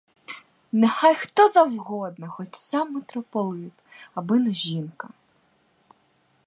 Нехай хто завгодно, хоч сам митрополит, аби не жінка!